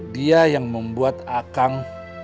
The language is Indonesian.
dia yang membuat akang